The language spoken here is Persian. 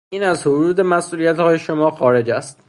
این از حدود مسئولیتهای شما خارج است.